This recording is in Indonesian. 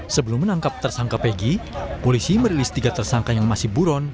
sebelum menangkap tersangka pegi polisi merilis tiga tersangka yang masih buron